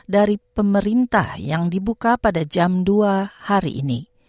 dari pemerintah yang dibuka pada jam dua hari ini